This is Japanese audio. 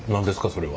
それは。